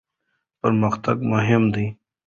پرمختګ مهم دی.